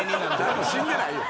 誰も死んでないよ。